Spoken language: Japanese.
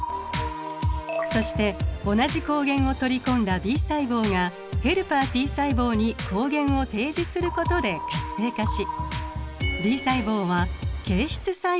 そして同じ抗原を取り込んだＢ細胞がヘルパーＴ細胞に抗原を提示することで活性化しＢ細胞は形質細胞に分化。